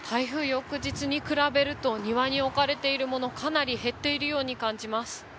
翌日に比べると庭に置かれているもの、かなり減っているように感じます。